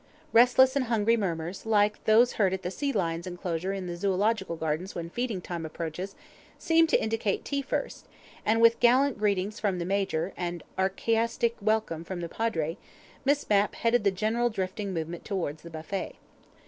Restless and hungry murmurs, like those heard at the sea lions' enclosure in the Zoological Gardens when feeding time approaches, seemed to indicate tea first, and with gallant greetings from the Major, and archaistic welcomes from the Padre, Miss Mapp headed the general drifting movement towards the buffet.